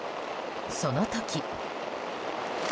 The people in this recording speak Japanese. その時。